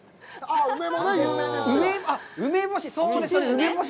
梅干し？